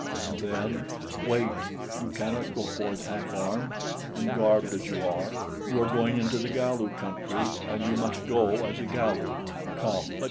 And then: "Wait! You cannot go forth half armed, and garbed as you are. You are going into the Galu country, and you must go as a Galu. Come!"